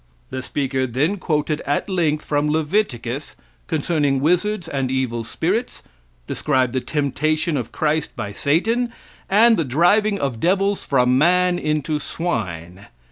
The speaker then quoted at length from Leviticus concerning wizards and evil spirits, described the temptation of Christ by Satan, and the driving of devils from man into swine.